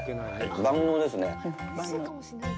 万能ですね。